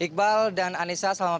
iqbal dan anissa selamat